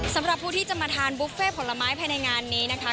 สำหรับผู้ที่จะมาทานบุฟเฟ่ผลไม้ภายในงานนี้นะคะ